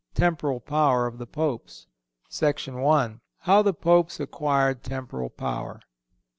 TEMPORAL POWER OF THE POPES. I. How The Popes Acquired Temporal Power.